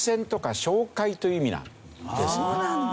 そうなんだ！